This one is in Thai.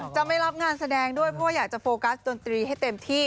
จะไม่รับงานแสดงด้วยเพราะว่าอยากจะโฟกัสดนตรีให้เต็มที่